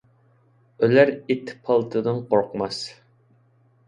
ئۆلەر ئىت پالتىدىن قورقماس.